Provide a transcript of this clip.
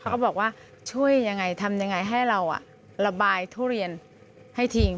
ก็บอกว่าช่วยยังไงทำยังไงให้เราระบายทุเรียนให้ทิ้ง